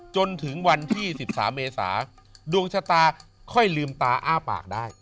จนถึงวันที่๑๓เมษาดวงชะตาค่อยลืมตาอ้าปากได้